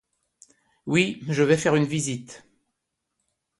Oui, je vais faire une visite.